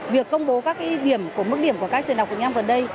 việc công bố mức điểm của các trường đọc của nhau gần đây